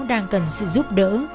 đang cần sự giúp đỡ